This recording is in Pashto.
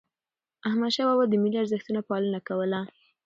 احمد شاه بابا د ملي ارزښتونو پالنه کوله.